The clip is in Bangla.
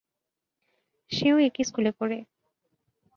সেও একই স্কুলে পড়ে।